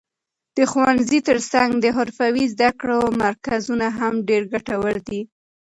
د ښوونځي تر څنګ د حرفوي زده کړو مرکزونه هم ډېر ګټور دي.